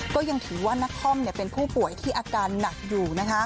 ก็ยังถือว่านักคอมเป็นผู้ป่วยที่อาการหนักอยู่